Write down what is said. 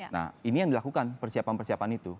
nah ini yang dilakukan persiapan persiapan itu